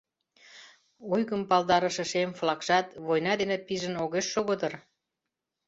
Ойгым палдарыше шем флагшат война дене пижын огеш шого дыр.